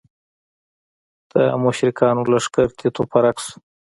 د مشرکانو لښکر تیت و پرک شو.